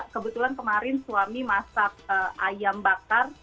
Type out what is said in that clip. kebetulan kemarin suami masak ayam bakar